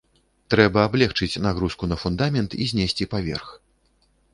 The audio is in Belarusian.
Трэба аблегчыць нагрузку на фундамент і знесці паверх.